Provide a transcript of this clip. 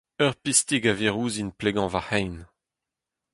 Ur pistig a vir ouzhin plegañ va c’hein.